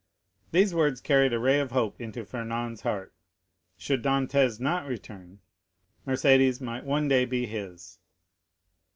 These words carried a ray of hope into Fernand's heart. Should Dantès not return, Mercédès might one day be his.